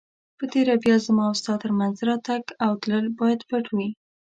په تېره بیا زما او ستا تر مینځ راتګ او تلل باید پټ وي.